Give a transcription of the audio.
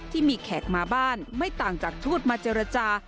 ที่มีแขกมาบ้านไม่ต่างจากทูตมาเจรจา